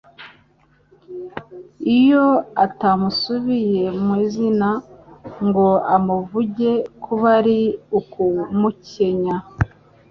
Iyo atamusubiye mu izina ngo amuvuge, kuba ari ukumukenya